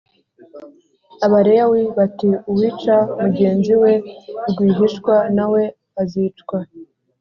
Abalewi bati Uwica mugenzi we rwihishwa nawe azicwa